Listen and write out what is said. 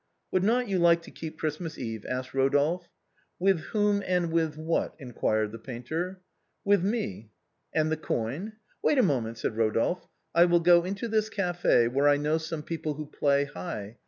" Would not you like to keep Christmas Eve ?" asked Rodolphe. " With whom and with what ?" inquired the painter. " With me." "And the coin?" " Wait a moment," said Rodolphe ;" I will go into this café, where I know some people who play high.